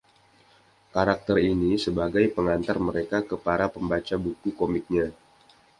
Karakter ini sebagai pengantar mereka ke para pembaca buku komiknya.